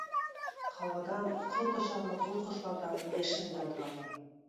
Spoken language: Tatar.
Һавадан коточарлык зур кошлардан яшен яудыралар.